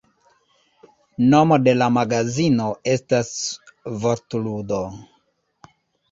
Nomo de la magazino estas vortludo.